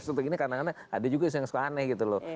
untuk ini kadang kadang ada juga yang suka aneh gitu loh